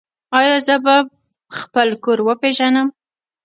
ایا زه به خپل کور وپیژنم؟